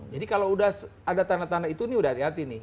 jadi kalau sudah ada tanda tanda itu ini sudah hati hati nih